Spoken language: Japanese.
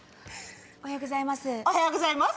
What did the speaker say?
おはようございます。